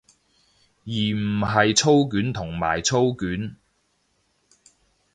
而唔係操卷同埋操卷